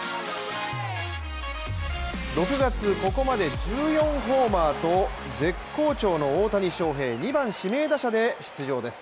６月、ここまで１４ホーマーと絶好調の大谷翔平２番・指名打者で出場です。